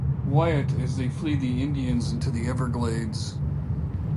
Wyatt as they flee the Indians into the Everglades.